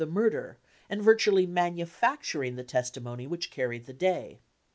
233 LINCOLN THE LAWYER murder, and virtually manufacturing the testi mony which carried the day.